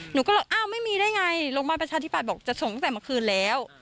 หนูก็เลยอ้าวไม่มีได้ไงโรงพยาบาลประชาธิบัตย์บอกจะส่งตั้งแต่เมื่อคืนแล้ว